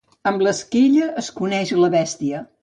Amb l'esquella es coneix la bèstia.